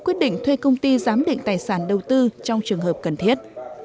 quyết định thuê công ty giám định tài sản đầu tư trong trường hợp cần thiết